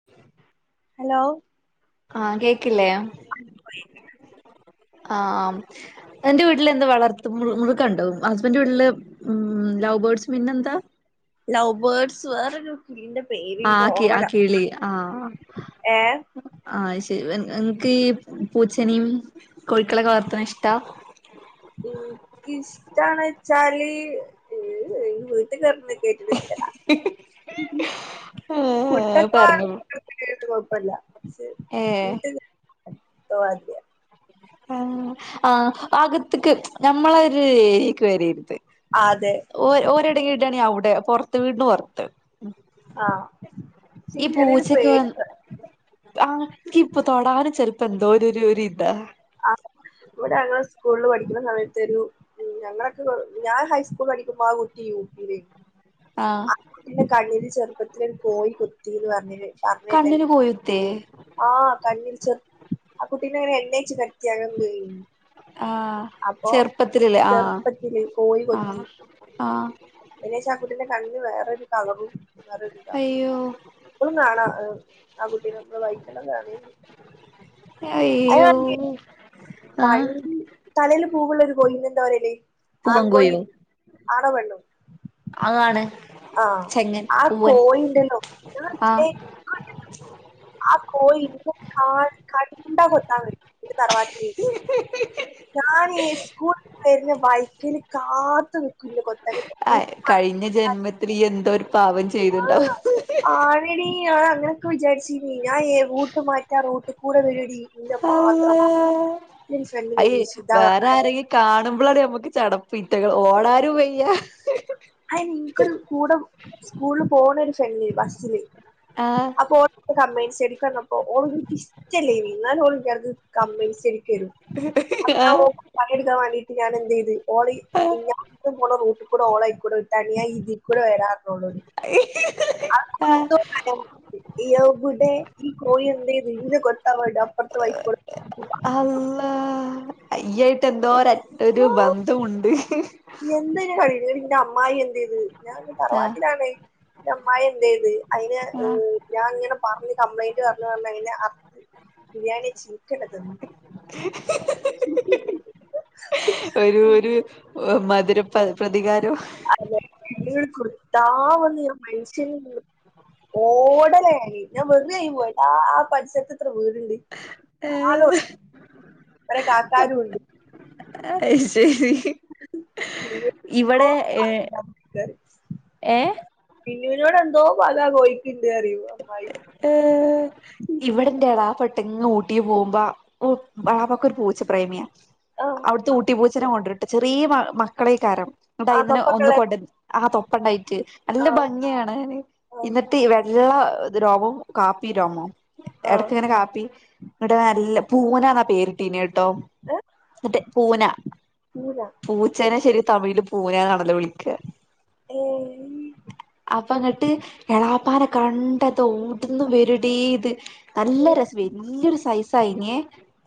[unintelligible] Hello ആഹ കേക്കില്ലേ [inaudible] ആഹ എന്റെ വീട്ടിൽ എന്ത് വളർത് മൃഗം ഉണ്ടോ ഹസ്ബൻഡറ് വീട്ടില് ഉം ലവബർഡ്സ് പിന്നെ എന്താ ലോവ്ബർഡ്സ് വേറെയൊരു കുന്റെ പേര് ആഹ എനിക്ക് ആക്കി ആഹ ഓർമ്മല്ല കിളി ആഹ ഏ ആഹ് ശരി ഇങ്ങക്ക് ഈ പൂച്ചനിയും കോഴിക്കളൊക്കെ വളർത്തണ ഇഷ്ടാ എനിക്ക ഇഷ്ടണ വച്ചാല് ഏ എ വീട്ടിൽ കറ വീട്ടിൽ ഇഷ്ട്ടം അല്ല പുട്ട് ഏഹ് എത്ര പറഞ്ഞു [inaudible] കുഴപ്പില്ലെ ഏഹ് വീട്ടിൽ [inaudible] തവാതിേ ആഹ ആഹ അകത്തക്ക് ഞമ്മളൊരു ഏക്ക് വരരുത് ആഹാ അതെ ഓ ഓരിടടെ വീടാണ് അവിടെ പുറത്ത് വീടിന്ന് പുറത്ത് ആഹ് ഈ എനിക്ക് ചെറിയൊരു പൂച്ചൊക്കെ വ പേടിയുണ്ട് ആഹ എനിക്ക് ഇപ്പൊ തൊടാനും ചെലപ്പോ എന്തോ ഒരു ഇതാ ആഹ ഇവിടെ ഞങ്ങെ സ്കൂളിൽ പഠിക്കുന്ന സമയത് ഒരു ഞങ്ങളൊക്കെ ഞാൻ ഹൈസ്കൂൾ പഠിക്കുമ്പോ ആ കുട്ടി യു പി ൽ ആഹ പിന്നെ കണ്ണീല് ചെറുപ്പത്തി കോഴി കൊത്തിന്ന് പറഞ്ന് പറഞ്ഞ കണ്ണിന് കൊഴുത്തേ കേട്ട ആഹ് കണ്ണിൽ ആഹ കുട്ടീ നേര എണ്ണെച്ചു കത്തി അങ്ങങ് ആഹ ചെറുപ്പത്തിലല്ലേ ആഹ ചെറുപ്പത്തില് ആഹ ആഹ എനേശ ആ കുട്ടിന്റെ കണ്ണിന് വേറൊരു കളറും വേറരിതാകും അയ്യോ ഇപ്പോഴും കാണാം ആ കുട്ടെ നമ്മള് വായിക്കണ്ട അയാ അയ്യോ പഴ ആഹ് തലൽ പൂവുള്ള ഒരു കോഴിന്ന് എന്താ പറലല്ലേ പോൂവാൻ കോഴിയോ അങ്ങാണ് ആഹ് ചെങ്ങൻ ആ പൂവൻ കോഴിണ്ടല്ലോ ഞാൻ ആഹ് ആ കോഴി ഇന്ന കണ്ടാ കൊത്താൻ വരും ഇന്റെ തറവാട്ടിൽ ഞൻ ഈ സ്കൂള പോയിന്ന വായിക്കിന് കാത്തു നിക്കില്ല കൊത്തകനെ ആഹ് കഴിഞ്ഞ ജന്മത്തിൽ ഈ എന്തോ ഒരു പാവം ചെയ്തുണ്ടാവും ആണടി ആ അങ്ങനെയൊക്കെ വിചാരിച്ചി ഞാൻ റൂട്ട് മാറ്റാ റൂട്ട് കൂടെ വേടടി അള്ളാ അയ ഫ്രണ്ടിനേനി നിഷിത വേറെ പറഞ്ഞാണ്ട് ആാരക്ക കാണുമ്പോളാാണ് നമ്മുക്ക് ചടപ് ഓടാരും വയ്യ അയി നിനക്കൊരു കൂടെ സ്കൂളില് പോണ ഒരു ഫ്രണ്ടില് ബസ്സില് ആഹ് അപ്പൊ ഓടെ കമ്മെന്റ്സ് സ്റ്റാഡി എടുക്കഞ്ഞപ്പോ ഓൾക്ക് എനിക്ക് ഇഷ്ടല്ല ഇനി എന്നാലും ഓല്ലർക്ക് കമ്മന്റ്സ് സ്റ്റഡി ക്ക് വരും അപ്പ ഞൻ ആഹ് ഓൾക്ക് പണികൊടുക്കാൻ വേണ്ടിട്ട് ഞാൻ എന്ത് ചെയ്ത് ഓള ആഹ് കൂടെഓളക്കൂ തനിയാ ഇതികുടി വരാറോടി [unintelligible] ആഹ് ആഹ [inaudible] എബടെ ഈ കോയി എന്തതു ഇെ കൊത്താവാട്ട അപ്പുറത്ത വൈക്കോ അള്ളാഹ് ഇയ്യായിട്ടെന്തോരറ്റ് ഒര് ബന്ധമുണ്ട് എന്തര് പറയുന്നേ ന്റമ്മായെന്തെയ്ത് ഞാൻ ന്ന് ആഹ് തറവാട്ടിലാണേ ൻ്റമ്മായെന്തെയ്ത് അയിനെ ആഹ് ഞാൻങ്ങനെ പറ്ഞ്ഞ് കംപ്ലെയിന്റ് പറ്ഞ്ഞ് പറ്ഞ്ഞ് അയ്നെ അർത്ത് ബിര്യാണ്യെച്ച് ഇന്ക്കെഞ്ഞെ തെന്ന് [unintelligible] ഓം മധുര പ പ്രതികാരം അതെല്ലെ എൾ [unintelligible] കുത്താൻ വന്ന് ഞാ മന്ഷ്യന് ഓടെലാഞാൻ ഞാൻ വെറുതെ അങ്ങ് പോയി ആ പരിസെരത്തെത്ര വീട്ണ്ട് ആളുണ്ട് കൊറേ കാക്കാരൂണ്ട് അയ്ശെരി പിന്നെന്തോ ഇവടെ ഏഹ് ഏഹ് മിന്നൂനോടെന്തോ പക കോഴിക്ക്ണ്ട് പറ്യോ ഏഹ് ഇവിടെന്റെളാപ്പട്ട്ങ്ങെ ഊട്ടീ പോവുമ്പാ ഉം ബാവാക്കൊര് പൂച്ച പ്രേമ്യാ ആ അവ്ട്ത്തെ ഊട്ടീ പൂച്ചെനെ കൊണ്ട് ചെറ്യേ മ മക്കളേക്കാരം ആ ന്നട്ടയ്ന്നെനെ ഒന്ന് പപ്പക്കളെ കൊണ്ടന്ന് ആ തൊപ്പണ്ടായിട്ട് നല്ല ആ ഭംങ്ങ്യാണ് ആ ഇന്നത്തീ വെള്ള രോമും കാപ്പി രോമും ആ എട്ക്ക്ങ്ങെനെ കാപ്പി ങ്ങെട് നല്ല പൂനാ ന്നാ പേരിട്ടീന്യേ ട്ടോ ഏ ന്നട്ട് പൂനാ പൂന പൂ ച്ചെനെ ശെരി തമിഴ്ല് പൂനാന്നാണല്ലോ വിളിക്കാ ഏഹീ അപ്പങ്ങെട്ട് എളാപ്പാനെ കണ്ടതോട്ന്ന് വരുടീത് നല്ല ഏ രെസം വെല്ല്യൊരു സൈസായിന്യേ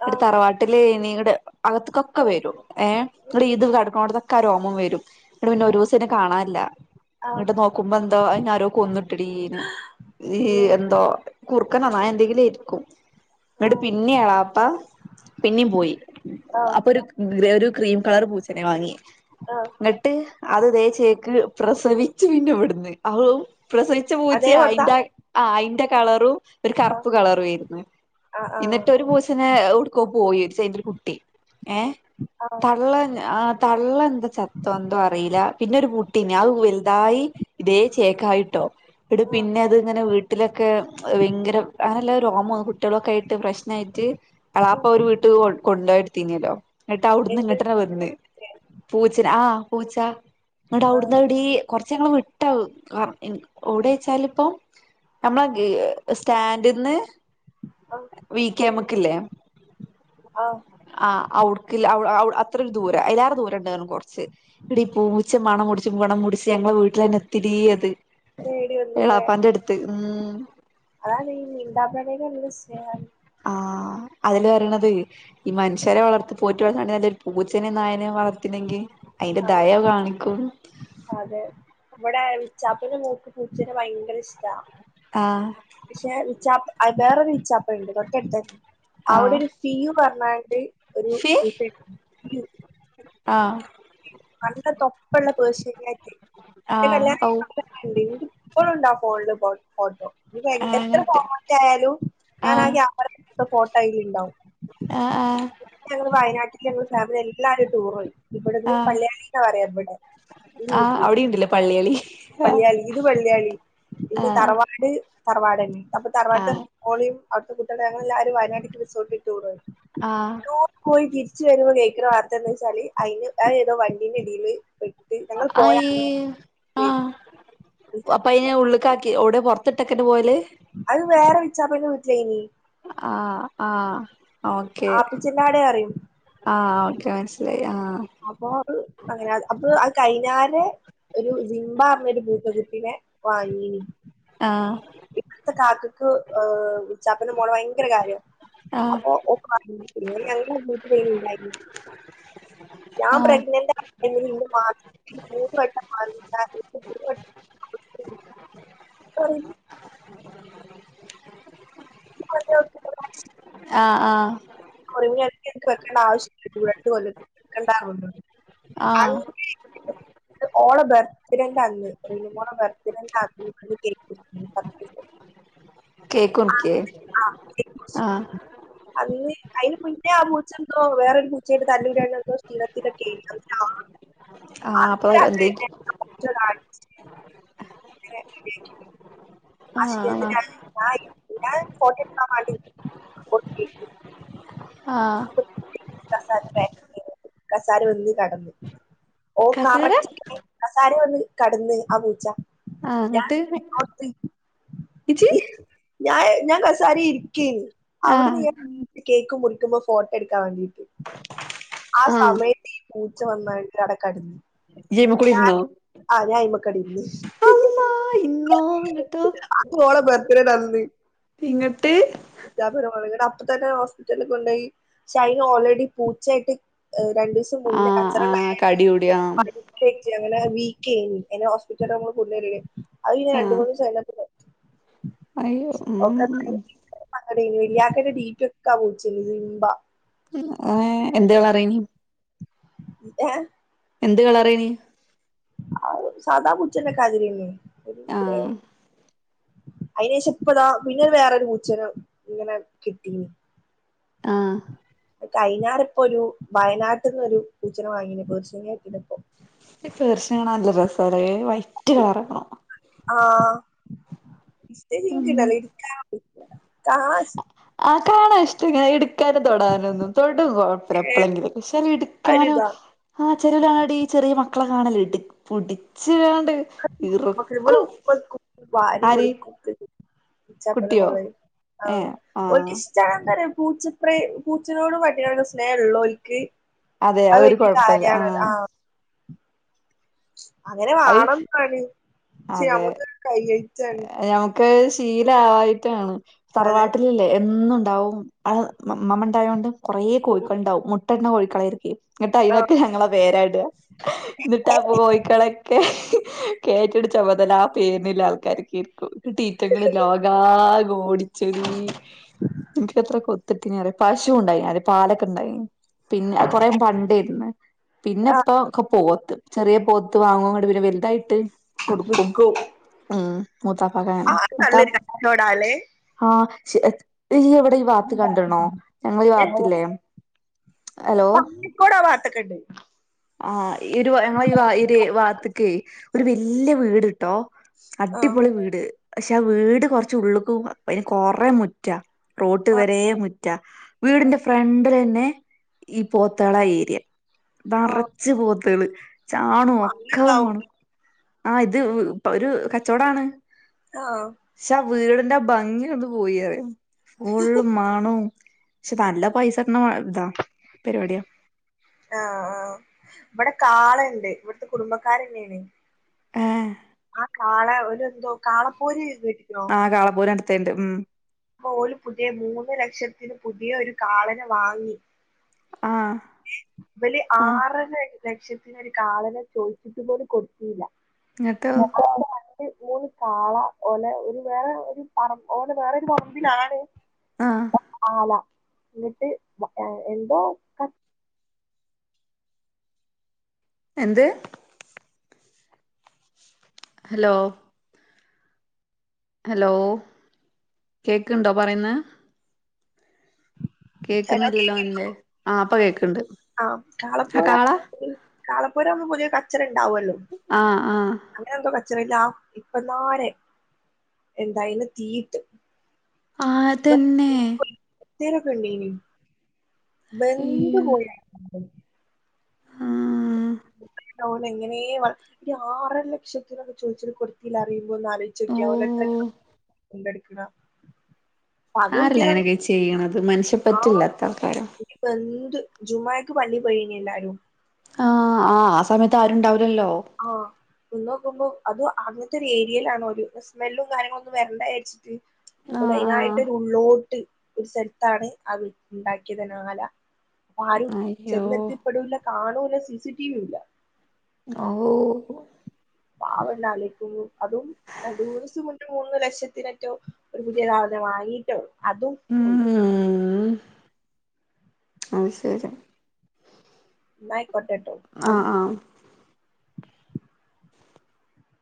വ്ടെ ആ തറവാട്ട്ലേനി [unintelligible] അകത്ത്ക്കൊക്കെ വെരും ഏം ന്നടീത് കെട്ക്ക്ണോട്ത്തക്കാ രോമം വെരും ന്നട്പിന്നൊരൂസയ്നെ കാണാല്ലാ ആ ന്നട്ട് നോക്കുമ്പെന്തോ അയ്നാരോ കൊന്ന്ട്ടെടീനെ ഈ അയ്യോ എന്തോ കുർക്കനോ നായെന്തെങ്കിലും ഇര്ക്കും ആ ന്നെട്ട് പിന്നെ എളാപ്പ പിന്നേം പോയി ആ അപ്പൊരു ഗ്രെരു ക്രീം കളർ പൂച്ചെനെ വാങ്ങി ആഹ് ന്നെട്ട് അത് ദേച്ചേക്ക് പ്രസവിച്ച് പിന്നെവ്ട്ന്ന് അൗ പ്രസവിച്ച പൂ അതെ സി വർത്താ അയ്ന്റാ അയ്ൻ്റെ കളറും ഒരു ആ കറുപ്പ് കളററ്യേര്ന്നു ആ ആ ഇന്നട്ടൊരു പൂ ത്ത്നേ ഒടക്കോ പോയി ച്ചേടൊരു കുട്ടി ഏഹ് ആ ആ തള്ള ആ തള്ളെന്താ ചത്തോ എന്തോ അറീലി പിന്നൊരു കുട്ട്യേന്യഅ് വെല്തായി ഇതേ ചേക്കായിട്ടോ ന്നട് ആ പിന്നത്ങ്ങനെ വീട്ട്ലൊക്കെ ഭയ്ങ്കരം അങ്ങനെല്ല രോമോം കുട്ട്യളൊക്കായ്ട്ട് പ്രെശ്നായ്ട്ട് എളാപ്പൊരു വീട്ട് കൊ കൊണ്ടോയൊട്ത്തീന്യെലോ ന്നട്ടവ്ട്ന്ന് എന്ത് ങ്ങട്ടെനെ വെന്ന് സ്നേ- പൂച്ചന് ആഹ് പൂച്ച ആ ന്നട്ടവ്ടന്നടീ കൊറച്ചങ്ങൾ വിട്ടാ ഒവ്ടേച്ചാൽപ്പം നമ്മളെ സ്റ്റാൻഡ്ന്ന് ആ വിക്കേമ്ക്ക്ല്ലേ ആ ആഹ് അവ്ട്ക്ക്ല്ലെ അൗ അത്രെക്കെ ദൂരം അയ്ലാറെ ദൂരെണ്ടർഞ്ഞ് കൊറ്ച്ച് ടീ പൂച്ച മണം മുട്ച്ച് മണം മുട്ച്ച് ഞങ്ങളെ വീട്ടിലെന്നെ എത്ത്യെടീയത് തേടി എളാപ്പാന്റെട്ത്ത് ഉം അണീ മീണ്ടാപ്രാണ്യാൾക്ക് നല്ല സ്നേഹാണ് ആഹ് അതല്ലേ വറിണത് ഈ മനുഷ്യരെ വളർത്തി പോറ്റി വളർത്തിനെക്കാട്ടി നല്ലരു പൂച്ചനെം നായനെം വളർ ത്ത്ണെങ്കി അയ്ന്റെ അതെ ദയ കാണിക്കും അതെ വടെ വിച്ചാപ്പന്റെ മോക്ക് പൂച്ചനെ ഭയ്ങ്കെരെഷ്ടാ ആഹ് പക്ഷെ ഇച്ചാപ്പ് അയ് വെറൊരു ഇച്ചാപ്പണ്ട് തൊട്ടട്ത്തന്നെ ആഹ് അവിടെരു സിയുന്ന് പർഞ്ഞാണ്ട് ഒരു ഫി പൂച്ചെ ആഹ് നല്ല തൊപ്പള്ളെ പേർഷ്യൻ ക്യാറ്റ് ഇന്റെ ആഹ് കല്യാണം ഔ കഴിഞ്ഞ ണ്ട് ഇൻക്ക് ഇപ്പളുണ്ട് ആ ഫോൺല് ഫോട്ടോ ത് കഴിഞ് എത്ര അങ്ങട്ട് ഫോർമെൽറ്റ് ആയാലും ഞാൻ ആഹ് ക്യാമറേലെട്ത്ത ഫോട്ടോ അയില്ണ്ടാവും ആഹ് ആഹ് ഞങ്ങള് വയനാട്ടില് ഞങ്ങള് ഫാമിലി എല്ലാരും ടൂറോയി ഇബടുന്ന് ആഹ് പള്ള്യാണീന്നാ പറയാ ഇബടെ ഈ ആഹ് വീട്ട്ന്ന് അവിടെയുണ്ടല്ലേ പള്ളികളി ആഹ് പള്ള്യാളി ഇത് പള്ള്യാളി പിന്നെ ആഹ് തറവാട് തറവാടെന്നെ അപ്പ തറവാട്ത്തെ ആഹ് ഓളീം അവ്ടുത്തെ കുട്ട്യള് ഞങ്ങളെല്ലാരും വയനാട്ട്ക്ക് റിസോട്ട്ക്ക് ടൂറോയി ആഹ് പോയി തിരിച്ച് വരുമ്പോ കേക്ക്ണ വാർത്തെന്താച്ചാല് അയിന് അയ് ഏതോ വണ്ടീന്റെ അടീല് പെ അയീ ആഹ് അപ്പയ് ഉള്ള്ക്കാക്കി എവ്ടെ പൊർത്ത്ട്ടെക്കനെ പോല് അഹ് വേറെ വിച്ചാപ്പൻ്റ വീട്ട്ലേനി ആഹ് ആഹ് ഓക്കെ ആപ്പിച്ചെല്ലാടെ അറിയും ആഹ് ഓക്കെ മൻസ്സിലായി ആഹ് അപ്പൊ അത് അങ്ങനെ അപ്പൊ അഹ് കൈഞ്ഞാരെ ഒരു സിംബ പർഞ്ഞൊരു പൂച്ച കുട്ടിനെ വാങ്ങീനി ആഹ് ഇവട്ത്തെ കാക്കക്ക് ഏഹ് ഇച്ചാപ്പാൻ്റെ മോളെ ഭയങ്കര കാര്യം ആഹ് അപ്പൊ ഓക്ക് [unintelligible] ഞാൻ ആഹ് പ്രഗ്നന്റാ [unintelligible] മാസത്തില് മൂന്ന് വട്ടം വാങ്ങിയ [unintelligible] [unintelligible] ആഹ് ആഹ് [unintelligible] എടക്കെടക്ക് വെക്കേണ്ട ആവശ്യല്ലല്ലോ രണ്ട് കൊല്ലം ആഹ് [unintelligible] ഓളെ ബർത്ത്ഡേൻ്റന്ന് റിനു മോളെ ബർത്ത്ഡേന്റന്ന് ഇവള് കേക്ക് മുറിച്ചിരുന്നു. ആ- കേക്ക്റുക്ക്യേ ആ, മുറിച്ചിരുന്നു. ആഹ് അന്ന് അയിന് മുന്നേ ആ പൂച്ചെന്തോ വേറൊരു പൂച്ചായിട്ട് തല്ലൂടിയാണ്ട് എന്തോ ശീണത്തിലൊക്കേനി [unintelligible] ആഹ് അന്ന് അപ്പൊ രാത്രിന്നെ എന്തേക്കും [unintelligible] [unintelligible] ആഹ് [unintelligible] ഞാൻ ഫോട്ടോട്ക്കാം മാണ്ടി കോട്ത്തിനി ആഹ് [unintelligible] കസാല വന്ന് കെടന്ന് ഓഹ് കസേര കറക്റ്റ് ടൈം കസാര വന്ന് കെടന്ന് ആഹ് പൂച്ച ആഹ് ഞാൻ ഇങ്ങട്ട് [unintelligible] ഇജ്ജ് ഞാൻ കസാരേ ഇരിക്കേനി അവ്ടുന്ന് ആഹ് ഞാനെണീറ്റ് കേക്ക് മുറിക്കുമ്പോ ഫോട്ടോട്ക്കാം വാണ്ടിട്ട് ആ ആഹ് സമയത്ത് ഈ പൂച്ച വന്നാണ്ട് അവ്ടെ കെടന്ന് ഇജ്ജ് അയ്മ്മേ കൂടി ഇരുന്നോ ഞാന് ആഹ് ഞാൻ അയിമക്കണ്ട് ഇര്ന്ന് അള്ളാ ഇന്നോ ഇങ്ങട്ടോ [unintelligible] ഓളെ ഭർത്ത്ഡേന്ന് [unintelligible] ഇങ്ങട്ട് [unintelligible] അപ്പ തന്നെ ഹോസ്പിറ്റല് കൊണ്ടേയി ഷെ അയിന് ഓൾറെഡി പൂച്ചയായിട്ട് രണ്ടുസം മുന്നെ ആഹ് ആഹ് കച്ചറണ്ടായാണ്ട് കടികൂടി ആഹ് [unintelligible] [unintelligible] വീക്കേനീ അയ്നെ ഹോസ്പിറ്റല് [unintelligible] കഴിഞ് രണ്ട്, ആഹ് മൂന്നീസം കഴിഞ്ഞപ്പം അയ്യോ ഓക്കത് ഉം ഭയങ്കര സങ്കടേനി വല്ല്യാക്കന്റെ ഡീപ്പ്യൊക്കെ ആ പൂച്ചേനി ബാ ഏഹ് എന്ത്‌ കളർ ഏനീ ഏഹ് എന്ത് കളറേനി അത് സാദാ പുച്ചന്റെക്കാതിരിന്നേ ഒര് ഗ്രേ ആഹ് അയിനേഷം ഇപ്പതാ പിന്നൊര് വേറൊര് പൂച്ചനെങ്ങനെ കിട്ടീനി ആഹ് കഴിഞ്ഞാരപ്പൊരു വയനാട്ട്ന്നൊരു പൂച്ചനെ വാങ്ങീനീ പേർഷ്യൻ ക്യാറ്റിനെപ്പൊ ഈ പേർഷ്യനേ കാണാ നല്ല രസാലേ വൈറ്റ് കളറൊക്കെ ആവണം ആഹ് ഉം ഇഷ്ടല്ലേഞ്ഞിട്ടല്ല എട്ക്കാൻ ആഹ് എനിക്ക് കാണാൻ ഇഷ്ട ആഹ് കാണാ ഇഷ്ടങ്ങനെ ഇട് ഒന്ന് തൊടാനൊന്നും തൊടും കൊഴപ്പല്ല എപ്പോഴെങ്കിലും പക്ഷെ അത്‌ടുക്കാനോ ഒരിതാ ആഹ് ചെലര് കാണടി ചെറിയ മക്കളെ കാണല്ലേ ഇട്ട് പിടിച്ചുകാണ്ട് [unintelligible] വാരി ആര് കൊടുക്കും ഇച്ചപ്പന കുട്ടിയോ മോളായി ആഹ് ഏഹ് ആഹ് ഓൽക്കിഷ് എന്താ പറിയ പൂച്ചത്രയും പൂച്ചനോടും പട്ടിയോടും സ്നേഹള്ളോര്ക്ക് അതെ അഹ് അത് ഒരു വല്ല്യ കൊഴപ്പല്ല കാര്യണ് ആഹ് അങ്ങനെ അത് വാണംന്താണ് പക്ഷേ അതെ നമുക്ക് കൈയ് ഞമുക്ക് അത് ശീല ആവായിട്ടാണ് അതെ തറവാട്ടിലല്ലേ എന്നുണ്ടാവും അത് ഇമ്മമ്മണ്ടായോണ്ട് കൊറേ കോഴിക്കള്ണ്ടാവും മുട്ടെട്ണ കോഴികളായിരിക്ക എന്നിട്ട് അതിനൊക്കെ ഞങ്ങള പേരാ ഇടാ എന്നിട്ടാ കോഴിക്കളൊക്കെ കേറ്റിട ചുമതല ആ പേരിനുള്ള ആൾക്കാര്കേരിക്കും എന്നിടീറ്റങ്ങൾ ലോകാക ഓടി ചെടിക്ക്ത്രകൊട്ത്തിട്ടിനിയറിയോ പശു ഉണ്ടായി ആദ്യം പാൽ ഒക്കണ്ടായിനി പിന്നെ അഹ് കൊറെ പണ്ടേര്ന്ന് ആഹ് പിന്നെപ്പൊ ഒക്കെ പോത്ത് ചെറിയ പോത്ത് വാങ്ങും ങ്ങട്ട് പിന്നെ വലുതായിട്ട് കൊടുക്കും വിക്കും ഉം മൂത്താപ്പാക്ക് ആത് നല്ലൊരു കച്ചോടാ ല്ലേ ആഹ് ശ് എവിടെ ഈ വാത്ത് കണ്ടണോ ഞങ്ങളേ ഈ വാത്തില്ലേ പന്നിക്കോട് ആ ഭാഗത്ത്‌ ഒക്കെ ഉണ്ട് ആഹ് ഈ ഒരു ഞങ്ങളേ ഈ ഭാഗത്ത്‌ക്കേ ഒരു വല്ല്യ വീട് ട്ടോ ആഹ് അടിപൊളി വീട് പക്ഷെ ആ വീട് കൊറച്ച് ഉള്ള്ക്കു അതിന് കൊറേ മുറ്റാ റോട്ട് വരെ മുറ്റ വീടിന്റെ ഫ്രഡ്‌ലെന്നെ ഈ പോത്തള ഏരിയ ആഹ് നറച്ച് പോത്തള് ചാണും ഒക്കെ അങ്ങണ്ടാവും മണം ആ ഇത് ഒരു കച്ചവടാണ് ആഹ് പക്ഷെ ആ വീടിന്റെ ആ ഭംഗിയ ഒന്ന് പോയിറിയ ഫുള്ള് മണും പക്ഷെ നല്ല പൈസ കിട്ടണ ഇതാ പരിവാടിയാ ആഹ് ആഹ് ഇവിടെ കാളണ്ട് ഇവിടത്തെ കുടുംബക്കാരന്നെണ് ഏഹ് ആ കാള ഒര് എന്തോ കാള പോരി കേട്ടിക്കോ ആ കാള പോര് കണ്ട്ട്ട്ണ്ട് ഉം ഓൽ പുതിയ മൂന്ന് ലക്ഷത്തിന് പുതിയ ഒരു കാളനേ വാങ്ങി ആഹ് ഇവര് ആറര ലക്ഷത്തിനൊരു കാളനെ ചോദിച്ചിട്ട് പോലും കൊ ഇങ്ങട്ടോ മൂന്ന് കാള ഓലെ ഒരു വേറെ ഒരു പറമ്പ ഓലെ വേറെരു പമ്പിലാണ് ആ ആല എന്നിട്ട് എന്തോ എന്ത് ഹലോ ഹലോ കേക്ക്ണ്ടോ പറയുന്നേ ഹലോ കേക്കുന്നില്ലല്ലോ നിന്റെ ആഹ് ഇപ്പൊ കേക്ക്ണ്ട് ആഹ് കാളപ്പോര് കാളപ്പോര് ആവുമ്പം പുതിയ കച്ചറ ഉണ്ടാവുല്ലോ ആഹ് ആഹ് അങ്ങനെ എന്തോ കച്ചറല്ല ഇപ്പന്നരെ എന്തായിന്ന് തീറ്റ് ആതന്നെ തരക്കെണ്ടീനി ബെന്ത് അയ്യോ പോ- ആ ഓലങ്ങനെ വ ഇനി ആറര ലക്ഷത്തിനൊക്കെ ചോദിച്ചിട്ട് കൊത്തില പറിയുമ്പോ ഒന്ന് ഓ ആലോചോക്കാ ഓലെ എത്ര എന്തെട്ക്കണ ആറില്ല അങ്ങനെയൊക്കെ ചെയ്യണത് മനുഷ്യപ്പറ്റില്ലാത്ത ആൾക്കാര ഇപ്പന്ത് ജുമാക്ക് പള്ളി പോയി എല്ലാരും ആഹ് ആഹ് ആസമയത്ത് ആരുണ്ടാവില്ലല്ലോ ആഹ് ചെന്ന് നോക്കുമ്പോ അത് അങ്ങത്തെ ഒരു ഏരിയയിലാണോ ഒരു സ്മെല്ലും കാര്യങ്ങളും ഒന്നും വരണ്ട വിചരിച്ചി ഓല് ആഹ് അയിനായിട്ട് ഒരു ഉള്ളോട്ട് ഒരു സ്ഥലത്താണ് ആ വീട് ഉണ്ടാക്കിയത് തന്നെ ആല ആരും ആഹ് അയ്യോ ചെന്നെത്തിപ്പെടൂല കാണൂല സിസി ടിവി ഇല്ല ഓ പാവണ്ട് ആലോചിക്കുംമ്പോ അതും രണ്ടു മുന്ന്സം മൂന്ന് ലക്ഷത്തിനറ്റോ ഒരു പുതിയ കിടാവിനെ വാങ്ങീട്ടു അതും പോയി ഉം അത് ശരി എന്നായികൊട്ടേട്ടോ ആഹ് പ്പവിളിക്കാം ആഹ്